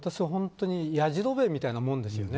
やじろべえみたいなもんですよね。